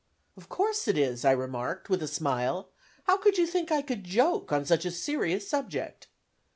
"Of course it is," I remarked, with a smile, "how could you think I could joke on such a serious subject!"